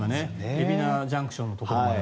海老名ＪＣＴのところ。